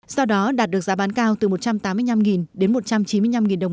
sau đó đạt được giá bán cao từ một trăm tám mươi đồng